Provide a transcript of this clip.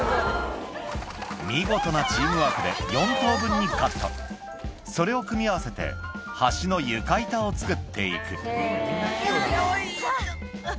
見事なチームワークで４等分にカットそれを組み合わせてをつくって行くよいしょ！